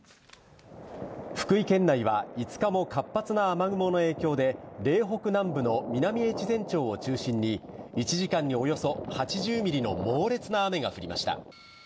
福井県内は５日も活発な雨雲の影響で、嶺北南部の南越前町を中心に１時間におよそ８０ミリの猛烈な雨が降りました。